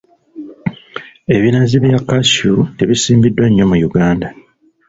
Ebinazi bya cashew tebisimbiddwa nnyo mu Uganda.